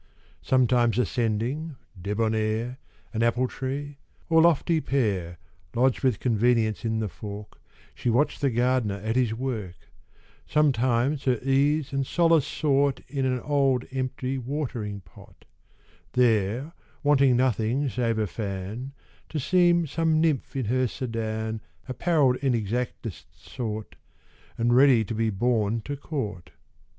Sometimes ascending, debonnair, An apple tree, or lofty pear, Lodged with convenience in the fork, She watch'd the gardener at his work; Sometimes her ease and solace sought In an old empty watering pot: There, wanting nothing save a fan, To seem some nymph in her sedan Apparell'd in exactest sort, And ready to be borne to court.